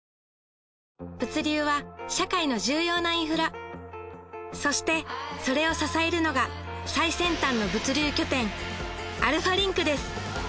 物流は社会の重要なインフラそしてそれを支えるのが最先端の物流拠点アルファリンクです